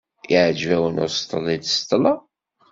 Iɛǧeb-awen useṭṭel i d-seṭṭleɣ?